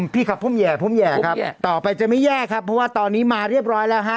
พี่ครับผมแห่ผมแห่ครับต่อไปจะไม่แย่ครับเพราะว่าตอนนี้มาเรียบร้อยแล้วฮะ